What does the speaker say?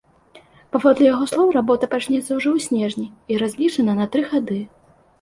Паводле яго слоў, работа пачнецца ўжо ў снежні і разлічана на тры гады.